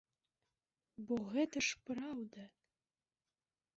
Бо гэта ж праўда!